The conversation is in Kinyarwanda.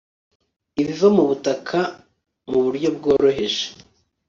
ibiva mu butaka mu buryo bworoheje